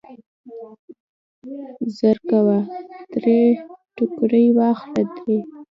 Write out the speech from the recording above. زرکوه درې ټوکرۍ واخله درې.